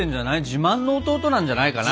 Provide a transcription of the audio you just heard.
自慢の弟なんじゃないかな？